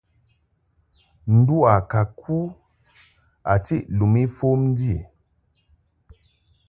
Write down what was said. Ndu a ka ku a tiʼ lum ifom ndi.